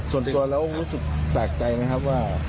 ส่วนตัวแล้วรู้สึกแปลกใจไหมครับว่า